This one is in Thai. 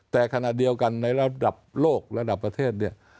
แต่ขณะเดียวกันในระดับโลกระดับประเทศเนี่ย